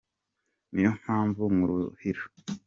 Niyo mpamvu nkuruhira